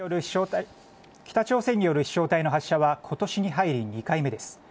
北朝鮮による飛しょう体の発射はことしに入り２回目です。